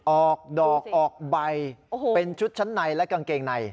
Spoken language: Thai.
ออกดอกออกใบเป็นชุดชั้นในและกางเกงใน